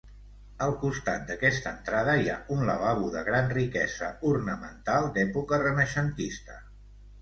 Al costat d'aquesta entrada hi ha un lavabo de gran riquesa ornamental d'època renaixentista.